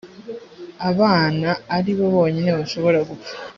abana ari bonyine bashobora gupfa